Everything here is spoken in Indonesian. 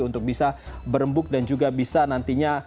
untuk bisa berembuk dan juga bisa nantinya